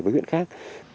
với huyện khác